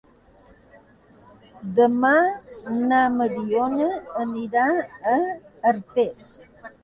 Demà na Mariona anirà a Artés.